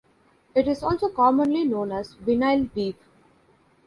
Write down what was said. It is also commonly known as "vinyl weave".